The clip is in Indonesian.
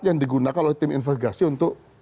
yang digunakan oleh tim investigasi untuk